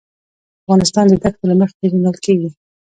افغانستان د دښتو له مخې پېژندل کېږي.